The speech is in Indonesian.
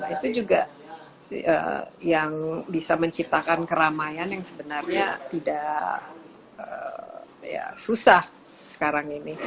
itu juga yang bisa menciptakan keramaian yang sebenarnya tidak susah sekarang ini